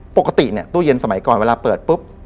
ปกติเนี่ยตู้เย็นสมัยก่อนเวลาเปิดปุ๊บ